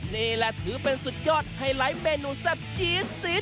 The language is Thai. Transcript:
นี่แหละถือเป็นสุดยอดไฮไลท์เมนูแซ่บจี๊ดซีด